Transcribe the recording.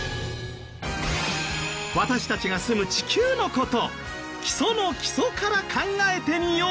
私たちが住む地球の事基礎の基礎から考えてみよう！